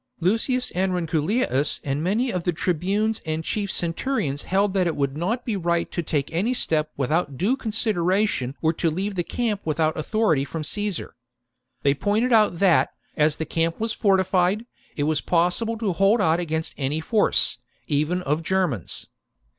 Lucius Aurunculeius and many of the tribunes and chief centurions held that it would not be right to take any step without due consideration or to leave the camp without authority from Caesar. They pointed out that, as the camp was fortified, it was possible to hold out against any force, even of Germans.